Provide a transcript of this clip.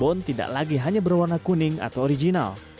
bika ambon tidak lagi hanya berwarna kuning atau original